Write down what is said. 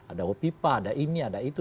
ada hopipa ada ini ada itu